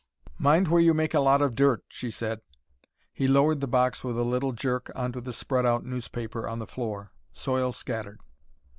"Mind where you make a lot of dirt," she said. He lowered the box with a little jerk on to the spread out newspaper on the floor. Soil scattered.